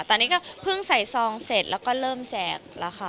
ตอนนี้ก็เพิ่งใส่ซองเสร็จแล้วก็เริ่มแจกแล้วค่ะ